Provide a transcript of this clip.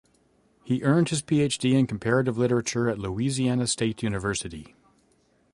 He earned his PhD in Comparative Literature at Louisiana State University.